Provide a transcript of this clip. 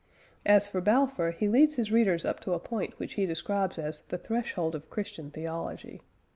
As for Balfour, he leads his readers up to a point which he describes as "the threshold of Christian Theology."